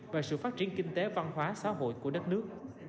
và sự phát triển kinh tế văn hóa xã hội của đất nước